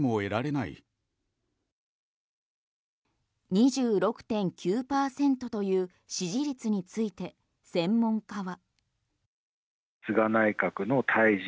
２６．９％という支持率について専門家は。